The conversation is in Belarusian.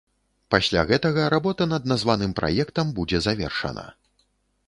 Пасля гэтага работа над названым праектам будзе завершана.